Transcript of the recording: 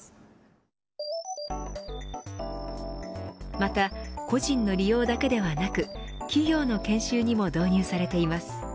また個人の利用だけではなく企業の研修にも導入されています。